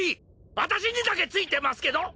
私にだけついてますけど？